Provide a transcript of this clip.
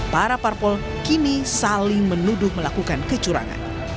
para parpol kini saling menuduh melakukan kecurangan